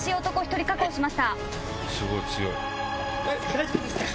大丈夫ですか？